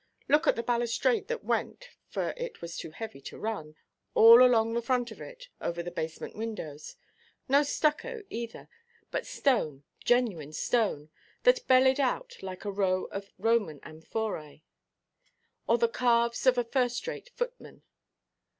Look at the balustrade that went (for it was too heavy to run) all along the front of it, over the basement windows. No stucco, either; but stone, genuine stone, that bellied out like a row of Roman amphoræ, or the calves of a first–rate footman.